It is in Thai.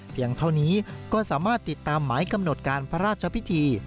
เท่านี้ก็สามารถติดตามหมายกำหนดการพระราชพิธี